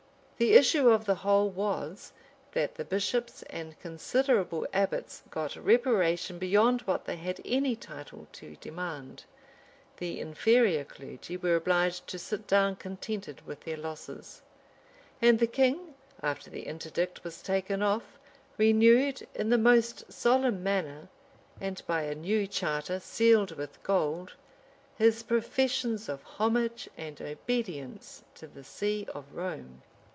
The issue of the whole was, that the bishops and considerable abbots got reparation beyond what they had any title to demand; the inferior clergy were obliged to sit down contented with their losses: and the king, after the interdict was taken off, renewed, in the most solemn manner, and by a new charter sealed with gold, his professions of homage and obedience to the see of Rome.